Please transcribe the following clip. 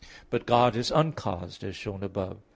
But God is uncaused, as shown above (Q.